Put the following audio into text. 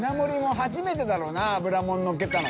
初めてだろうな油物のっけたの。